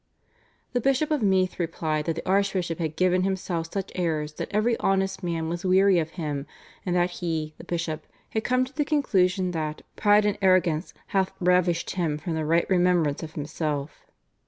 " The Bishop of Meath replied that the archbishop had given himself such airs that every honest man was weary of him and that he (the bishop) had come to the conclusion that "pride and arrogance hath ravished him from the right remembrance of himself."